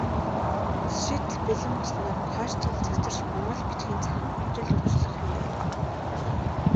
Тус шийдэл бэлэн болсноор кодчилол цэгцэрч, монгол бичгийн цахим хөгжил урагшлах юм байна.